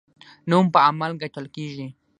نوم په عمل ګټل کیږي